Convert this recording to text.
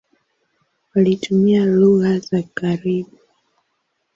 Walitumia lugha za karibu.